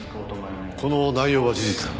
この内容は事実か？